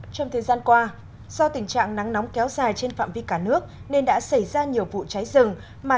trong thời gian qua do tình trạng nắng nóng kéo dài trên phạm vi cả nước nên đã xảy ra nhiều vụ cháy rừng